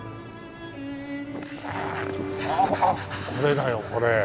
あっこれだよこれ。